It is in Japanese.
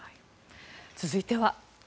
続いては。